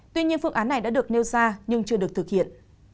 tuy nhiên phương án này đã được nêu ra nhưng chưa được thực hiện